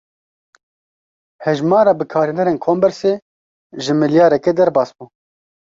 Hejmara bikarhênerên kombersê, ji milyareke derbas bû